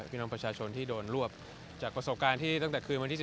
พี่น้องประชาชนที่โดนรวบจากประสบการณ์ที่ตั้งแต่คืนวันที่๑